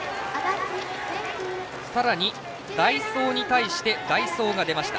さらに代走に対して代走が出ました。